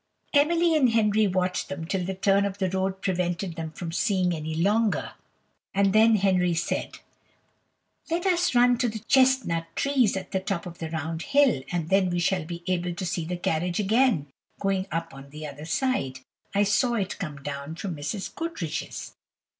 Emily and Henry watched them till the turn of the road prevented them from seeing them any longer; and then Henry said: "Let us run to the chesnut trees at the top of the round hill, and then we shall be able to see the carriage again going up on the other side; I saw it come down from Mrs. Goodriche's."